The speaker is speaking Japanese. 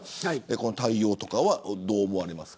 この対応はどう思われますか。